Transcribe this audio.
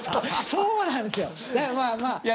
そうなんですよ。